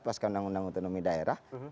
pas keundang undang utonomi daerah